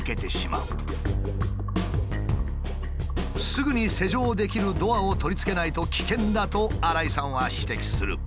すぐに施錠できるドアを取り付けないと危険だと新井さんは指摘する。